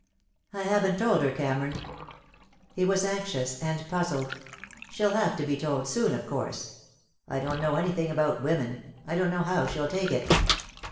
"I haven't told her, Cameron." He was anxious and puzzled. "She'll have to be told soon, of course. I don't know anything about women. I don't know how she'll take it."